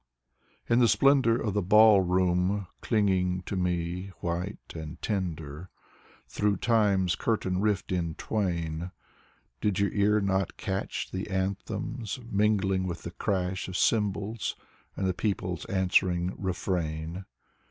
In the splendor of the ball room, clinging to me, white and tender, — through Time's curtain rift in twain. Did your ear not catch the anthems, mingling with the crash of cymbals, and the people's answering refrain